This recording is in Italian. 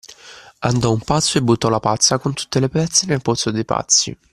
Andò un pazzo e buttò la pazza con tutte le pezze nel pozzo dei pazzi.